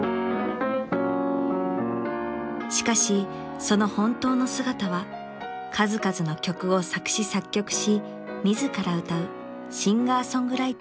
［しかしその本当の姿は数々の曲を作詞・作曲し自ら歌うシンガー・ソングライターです］